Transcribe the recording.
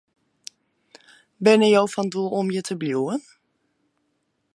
Binne jo fan doel om hjir te bliuwen?